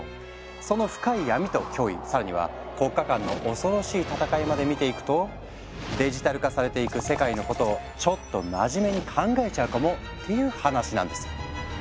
その深い闇と脅威更には国家間の恐ろしい戦いまで見ていくとデジタル化されていく世界のことをちょっと真面目に考えちゃうかも？っていう話なんですよ。